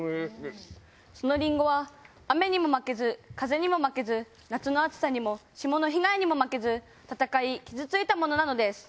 そのりんごは雨にも負けず風にも負けず夏の暑さにも霜の被害にも負けず戦い傷ついたものなのです。